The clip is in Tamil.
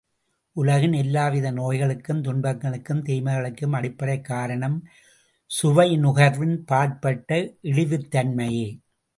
உலகின் எல்லாவித நோய்களுக்கும், துன்பங்களுக்கும், தீமைகளுக்கும் அடிப்படைக் காரணம், சுவைநுகர்வின் பாற்பட்ட இழிவுத் தன்மையே!